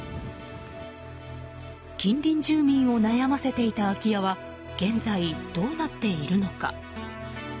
近隣住民を悩ませていた空き家は現在どうなっているのか？